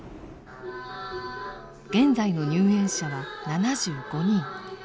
現在の入園者は７５人。